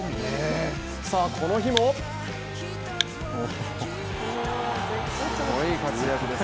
この日もすごい活躍です。